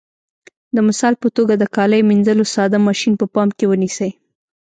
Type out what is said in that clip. د مثال په توګه د کالیو منځلو ساده ماشین په پام کې ونیسئ.